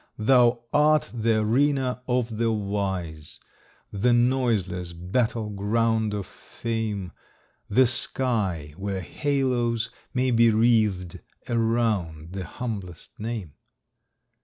Thou art the arena of the wise, The noiseless battle ground of fame; The sky where halos may be wreathed Around the humblest name.